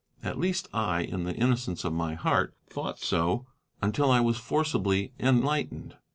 At least I, in the innocence of my heart, thought so until I was forcibly enlightened.